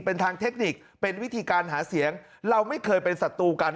เป็นทางเทคนิคเป็นวิธีการหาเสียงเราไม่เคยเป็นศัตรูกัน